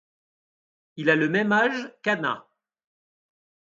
Il a le même âge qu'Anna.